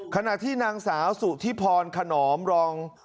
ขณะที่นางสาวสุธิพรขนอมรอง